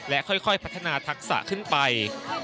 ค่อยพัฒนาทักษะขึ้นไป